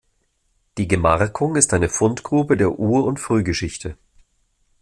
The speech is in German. Die Gemarkung ist eine Fundgrube der Ur- und Frühgeschichte.